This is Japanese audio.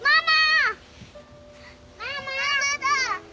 ママだ！